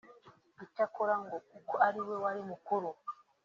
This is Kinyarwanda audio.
Icyakora ngo kuko ari we wari mukuru